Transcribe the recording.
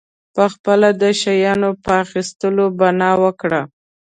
پخپله د شیانو په اخیستلو بنا وکړه.